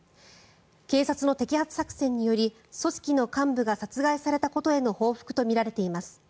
警察の摘発作戦により組織の幹部が殺害されたことへの報復とみられています。